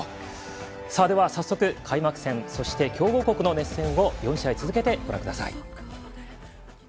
早速、開幕戦強豪国の熱戦を４試合続けてご覧ください。